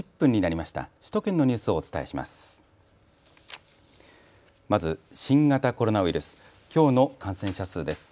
まず新型コロナウイルス、きょうの感染者数です。